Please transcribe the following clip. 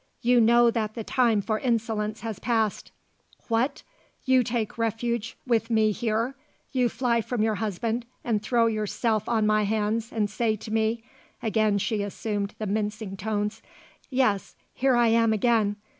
You know that the time for insolence has passed. What! You take refuge with me here. You fly from your husband and throw yourself on my hands and say to me," again she assumed the mincing tones "Yes, here I am again.